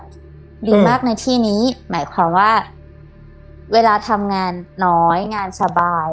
ดีมากในที่นี้หมายความว่าเวลาทำงานน้อยงานสบาย